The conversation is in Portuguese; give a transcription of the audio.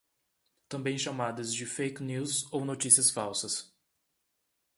Também chamadas de fake news ou notícias falsas